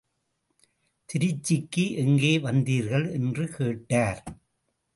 திருச்சிக்கு எங்கே வந்தீர்கள்? என்று கேட்டார்.